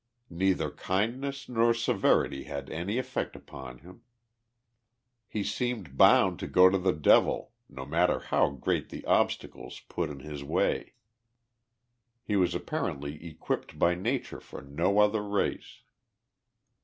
Neither kindness nor severity had any eftect upon him. He seemed bound 81 THE LIFE OF JESSE HALOING POMEROY. to go to the devil, no matter how great the obstacles put in his way. He was apparently equipped by nature for no other race.